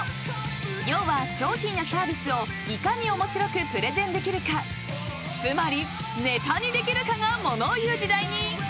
［要は商品やサービスをいかに面白くプレゼンできるかつまりネタにできるかがものをいう時代に］